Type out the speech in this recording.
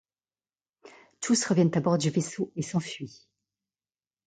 Tous reviennent à bord du vaisseau et s'enfuient.